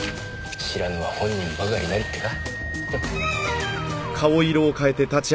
知らぬは本人ばかりなりってか。